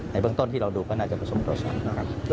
ในเบื้องต้นที่เราดูก็น่าจะเป็นประสงค์ต่อสรรค์